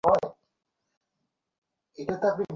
মানে, বলতে চাচ্ছেন, আপনি ওকে পার্থিব আকারে আনতে পারবেন?